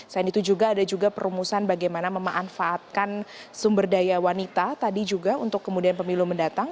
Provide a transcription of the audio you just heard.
selain itu juga ada juga perumusan bagaimana memanfaatkan sumber daya wanita tadi juga untuk kemudian pemilu mendatang